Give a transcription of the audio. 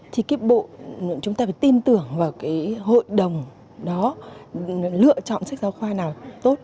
thì chúng ta phải tin tưởng vào hội đồng đó lựa chọn sách giáo khoa nào tốt